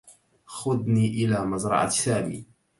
خذني إلى مزرعة سامي.